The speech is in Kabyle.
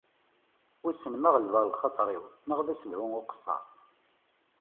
Wissen ma ɣelbeɣ lxaṭer-iw neɣ d asedhu d uqesser.